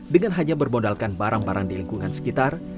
dengan hanya bermodalkan barang barang di lingkungan sekitar